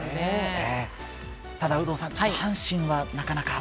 ただ、有働さん阪神がなかなか。